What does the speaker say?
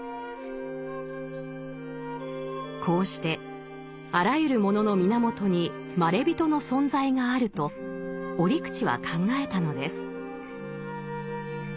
こうしてあらゆるものの源にまれびとの存在があると折口は考えたのです。